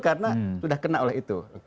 karena sudah kena oleh itu